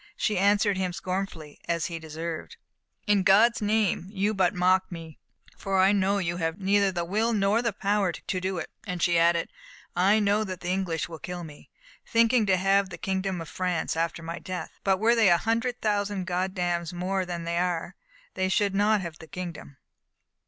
She answered him scornfully, as he deserved: "In God's name, you but mock me, for I know you have neither the will nor the power to do it;" and she added, "I know that the English will kill me, thinking to have the kingdom of France after my death; but were they a hundred thousand Goddams more than they are, they should not have the kingdom."